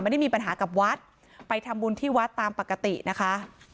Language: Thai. ไม่ได้มีปัญหากับวัดไปทำบุญที่วัดตามปกตินะคะ